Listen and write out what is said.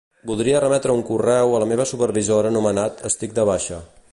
Voldria remetre un correu a la meva supervisora anomenat "estic de baixa".